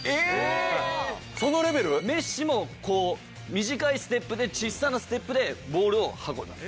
メッシも短いステップで小さなステップでボールを運びます。